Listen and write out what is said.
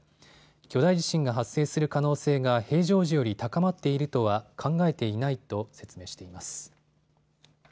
巨大地震が発生する可能性が平常時より高まっているとは考えていないと説明しています。